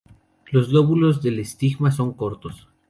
Los lóbulos del estigma son cortos.